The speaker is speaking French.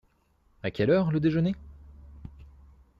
À quelle heure le déjeuner ?